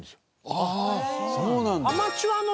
ああそうなんだ。